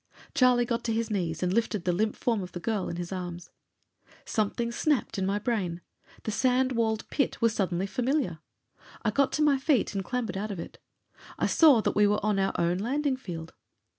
Charlie got to his knees and lifted the limp form of the girl in his arms. Something snapped in my brain. The sand walled pit was suddenly familiar. I got to my feet and clambered out of it. I saw that we were on our own landing field.